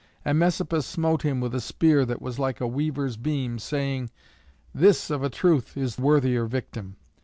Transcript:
And Messapus smote him with a spear that was like a weaver's beam, saying, "This, of a truth, is a worthier victim."